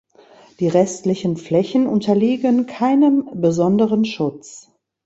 Die restlichen Flächen unterliegen keinem besonderen Schutz.